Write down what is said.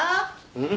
うん？